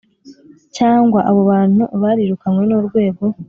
cyangwa abo abantu barirukanywe n’urwego